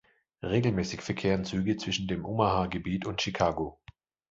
Regelmäßig verkehren Züge zwischen dem Omaha-Gebiet und Chicago.